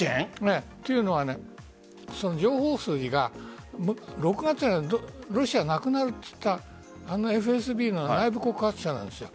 というのは情報筋が６月でロシアなくなるという内部告発者なんです。